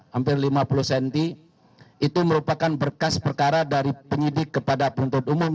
hampir lima puluh cm itu merupakan berkas perkara dari penyidik kepada penuntut umum